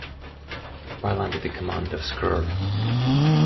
While under the command of Skr.